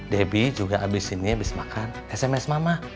debbie juga abis ini habis makan sms mama